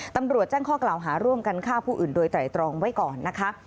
ตำรวจแจ้งข้อกล่าวหาร่วมกันฆ่าผู้อื่นโดยไตรตรองไว้ก่อนนะคะ